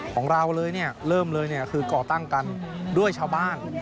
ของเราเลยเนี่ยเริ่มเลยคือก่อตั้งกันด้วยชาวบ้าน